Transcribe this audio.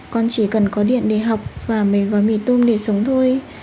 con chỉ cần có điện để học và mới gói mì tôm để sống thôi